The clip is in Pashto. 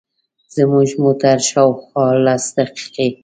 زموږ موټر شاوخوا لس دقیقې.